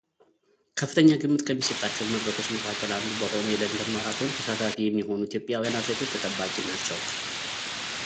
ከፍተኛ ግምት ከሚሰጣቸው መድረኮች መካከል አንዱ በሆነው የለንደን ማራቶን ተሳታፊ የሚሆኑ ኢትዮጵያውያን አትሌቶች ተጠባቂ ናቸው።